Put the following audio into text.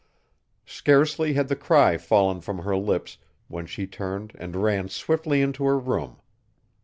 Scarcely had the cry fallen from her lips when she turned and ran swiftly into her room.